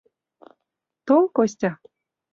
Тол, Костя.